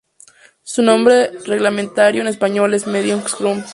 Su nombre reglamentario en español es "medio scrum".